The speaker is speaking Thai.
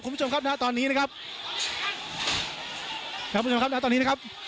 คุณผู้ชมครับณตอนนี้นะครับท่านผู้ชมครับณตอนนี้นะครับ